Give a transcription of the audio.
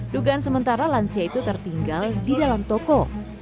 dugaan sementara lansia itu tertinggal di dalam toko